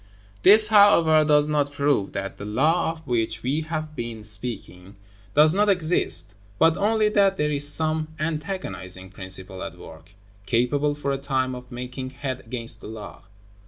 This, however, does not prove that the law of which we have been speaking does not exist, but only that there is some antagonizing principle at work, capable for a time of making head against the law.